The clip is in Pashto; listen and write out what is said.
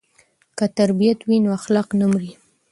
که تربیت وي نو اخلاق نه مري.